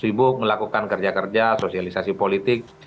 sibuk melakukan kerja kerja sosialisasi politik